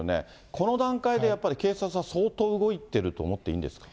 この段階でやっぱり、警察は相当動いてると思っていいんですか。